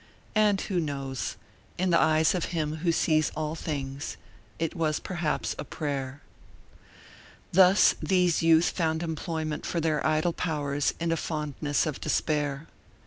And who knows? In the eyes of Him who sees all things, it was perhaps a prayer. Thus these youth found employment for their idle powers in a fondness of despair.